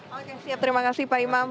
oke siap terima kasih pak imam